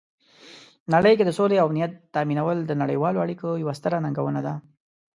نړۍ کې د سولې او امنیت تامینول د نړیوالو اړیکو یوه ستره ننګونه ده.